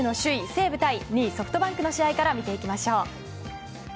西武対ソフトバンクの試合から見ていきましょう。